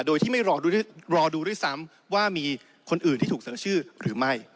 โดยที่ไม่รอดูด้วยซ้ำว่ามีคนอื่นที่ถูกเสนอชื่อหรือไม่